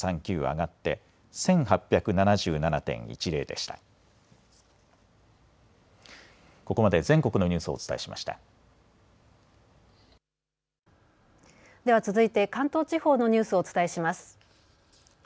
では続いて関東地方のニュースをお伝えします。